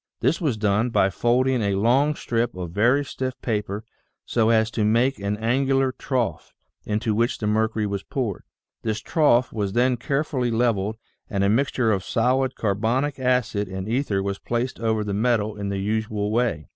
This was done by folding a long strip of very stiff paper so as to make an angular trough into which the mercury was poured. This trough was then carefully leveled and a mixture of solid carbonic acid and ether was placed over the metal in the usual way.